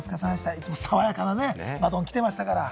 いつも爽やかなバトンが来てましたから。